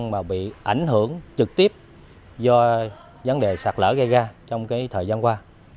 mà bị ảnh hưởng trực tiếp do vấn đề sạt lở gây ra trong cái thời gian qua